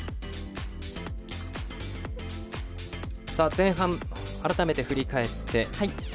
前半、改めて振り返って。